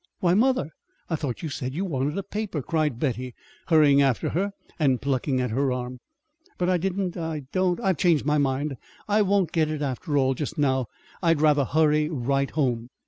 "Why, mother, I thought you said you wanted a paper," cried Betty, hurrying after her and plucking at her arm. "But I didn't I don't I've changed my mind. I won't get it, after all, just now. I'd rather hurry right home."